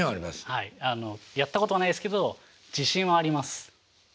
はいやったことはないですけど自信はあります。